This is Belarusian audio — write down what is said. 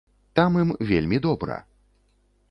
Там ім вельмі добра!